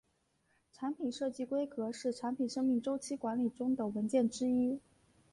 产品设计规格是产品生命周期管理中的文件之一。